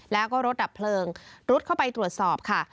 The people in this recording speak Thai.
แล้วก็รถดับเพลิงรุดเข้าไปตรวจสอบค่ะ